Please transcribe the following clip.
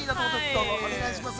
どうぞ、お願いします。